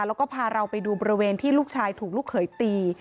แล้วก็พาเราไปดูบริเวณที่ลูกชายถูกลูกเขยตี